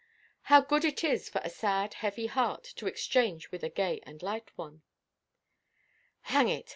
How good it is for a sad, heavy heart to exchange with a gay and light one! "Hang it!